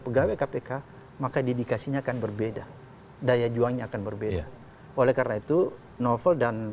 pegawai kpk maka dedikasinya akan berbeda daya juangnya akan berbeda oleh karena itu novel dan